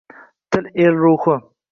Til - el ruhi